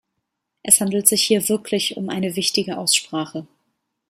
Es handelt sich hier wirklich um eine wichtige Aussprache.